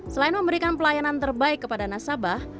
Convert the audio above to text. selain memberikan pelayanan terbaik kepada nasabah